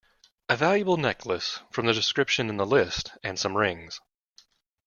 A valuable necklace, from the description in the list and some rings.